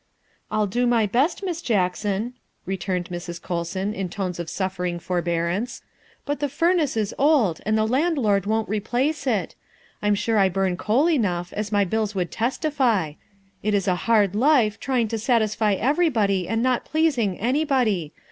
" I'll do my best, Miss Jackson," returned Mrs. Col THE SECRETARY OF STATE 315 son in tones of suffering forbearance, " but the furnace is old and the landlord won't replace it. I'm sure I burn coal enough, as my bills would testify. It is a hard life, trying to satisfy everybody and not pleasing anybody.